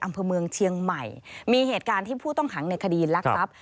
อำเภอเมืองเชียงใหม่มีเหตุการณ์ที่ผู้ต้องขังในคดีลักทรัพย์